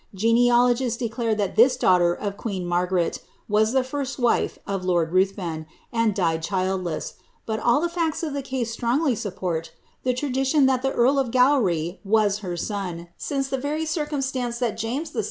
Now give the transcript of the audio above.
Genealogists declare that this daughter of queen Margaret was the first wife of lord Ruthven, and died childless, but all the facts of the case strongly support the tradition that the earl of Gowry was her son, since the very circumstance that James VI.